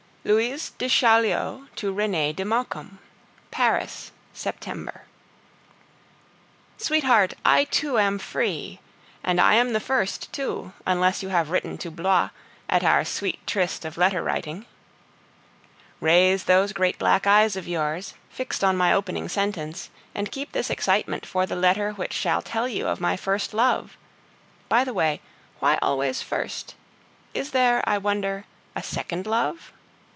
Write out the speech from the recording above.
LOUISE DE CHAULIEU TO RENEE DE MAUCOMBE. PARIS, September. Sweetheart, I too am free! And I am the first too, unless you have written to Blois, at our sweet tryst of letter writing. Raise those great black eyes of yours, fixed on my opening sentence, and keep this excitement for the letter which shall tell you of my first love. By the way, why always "first?" Is there, I wonder, a second love?